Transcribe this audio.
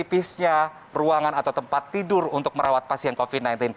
tipisnya ruangan atau tempat tidur untuk merawat pasien covid sembilan belas